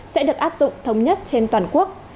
sẽ được áp dụng thống nhất trên toàn quốc